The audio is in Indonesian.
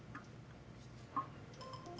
ada apa ya bun